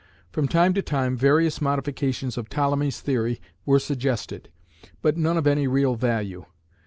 From time to time various modifications of Ptolemy's theory were suggested, but none of any real value.